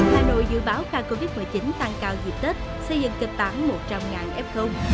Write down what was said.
hà nội dự báo ca covid một mươi chín tăng cao dịp tết xây dựng kịch bản một trăm linh f